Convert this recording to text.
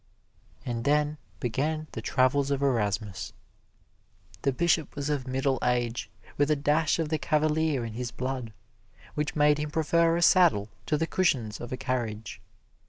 And then began the travels of Erasmus. The Bishop was of middle age, with a dash of the cavalier in his blood, which made him prefer a saddle to the cushions of a carriage.